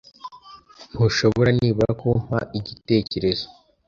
Ntushobora nibura kumpa igitekerezo.